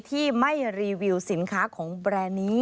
ที่ไม่รีวิวสินค้าของแบรนด์นี้